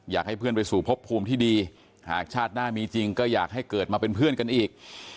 อยากให้เพื่อนไปสู่พบภูมิที่ดีหากชาติหน้ามีจริงก็อยากให้เกิดมาเป็นเพื่อนกันอีก